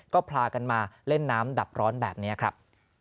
ก็พากันมาเล่นน้ำดับร้อนแบบนี้ครับ